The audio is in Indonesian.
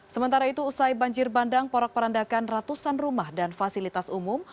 sementara itu usai banjir bandang porak perandakan ratusan rumah dan fasilitas umum